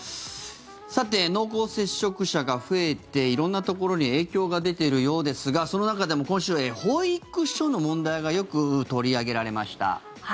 さて、濃厚接触者が増えて色んなところに影響が出ているようですがその中でも今週は保育所の問題がよく取り上げられました。